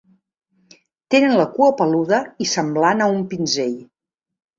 Tenen la cua peluda i semblant a un pinzell.